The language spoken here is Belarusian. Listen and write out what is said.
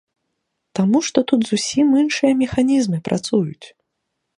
Таму што тут зусім іншыя механізмы працуюць.